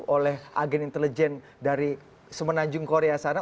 oleh agen intelijen dari semenanjung korea sana